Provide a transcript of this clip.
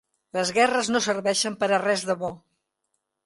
Les guerres no serveixen per a res de bo.